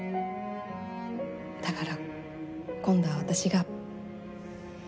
だから今度は私が。